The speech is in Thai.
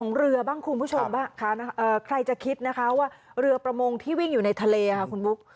เรือบ้างคุณผู้ชมบ้างใครจะคิดนะคะว่าเรือประมงที่วิ่งอยู่ในทะเลค่ะคุณบุ๊ค